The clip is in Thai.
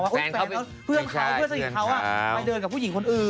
แฟนเพื่อนเขาเพื่อนสนิทเขาไปเดินกับผู้หญิงคนอื่น